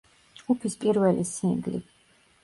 ჯგუფის პირველი სინგლი.